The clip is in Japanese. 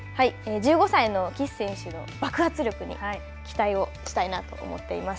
１５歳の岸選手の爆発力に期待をしたいなと思っています。